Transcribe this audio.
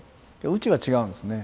うちは違うんですね。